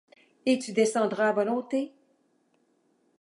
Et tu descendras à volonté?